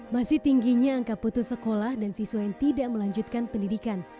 masih tingginya angka putus sekolah dan siswa yang tidak melanjutkan pendidikan